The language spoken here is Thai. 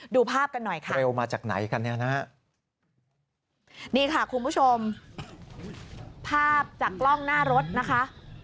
ดูภาพกันหน่อยค่ะนี้ค่ะคุณผู้ชมภาพจากกล้องหน้ารถนะคะ